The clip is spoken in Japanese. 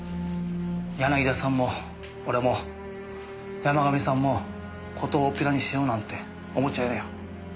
柳田さんも俺も山神さんも事を大っぴらにしようなんて思っちゃいないよ。